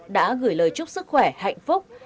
đã gửi lời chúc sức khỏe hạnh phúc